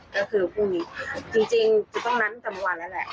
ก็คือพรุ่งนี้จริงต้องนั้นตั้งแต่เมื่อวานแล้วแหละ